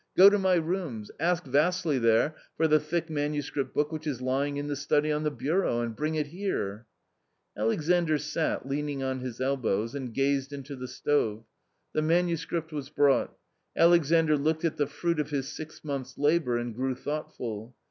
Go to my rooms, ask Vassily there for the thick manuscript book which is lying in the study on the bureau, and bring it here ?" Alexandr sat, leaning on his elbows, and gazed into the stove. The manuscript was brought. Alexandr looked at the fruit of his six months' labours and grew thoughtful.